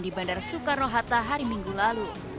di bandara soekarno hatta hari minggu lalu